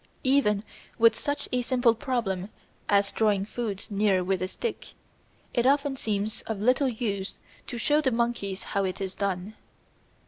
Even with such a simple problem as drawing food near with a stick, it often seems of little use to show the monkey how it is done.